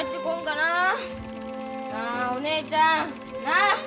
なあお姉ちゃんなあ！